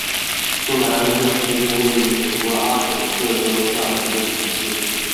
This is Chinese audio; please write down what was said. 布赖恩特是一个位于美国阿肯色州萨林县的城市。